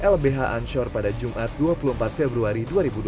lbh anshor pada jumat dua puluh empat februari dua ribu dua puluh